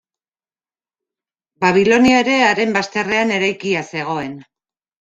Babilonia ere haren bazterrean eraikia zegoen.